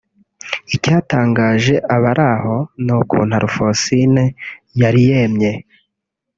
Icyatangaje abari aho ni ukuntu Alphonsine yari yemye